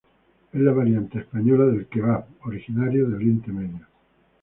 Es la variante española del kebab, originario del Oriente Medio.